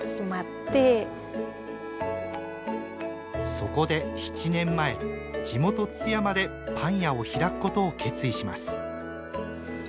そこで７年前地元津山でパン屋を開くことを決意します。